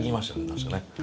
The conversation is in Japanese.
確かね？